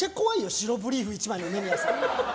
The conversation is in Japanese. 白ブリーフ１枚の梅宮さん。